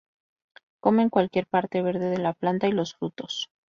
Comen cualquier parte verde de la planta y los frutos.